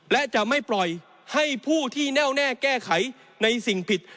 และจะไม่ปล่อยให้ผู้ที่แน่วแน่แก้ไขในสิ่งผิด